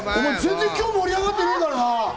全然今日、盛り上がってねえからな！